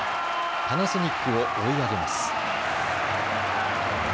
パナソニックを追い上げます。